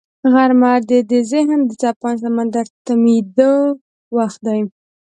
غرمه د ذهن د څپاند سمندر تمېدو وخت دی